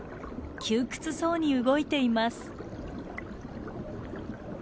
窮屈そうに動いています。